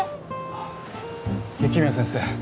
あっ雪宮先生。